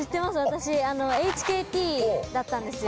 私ＨＫＴだったんですよ。